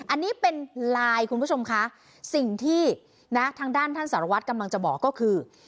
อันนี้เป็นไลน์คุณผู้ชมคะสิ่งที่นะทางด้านท่านสารวัตรกำลังจะบอกก็คือ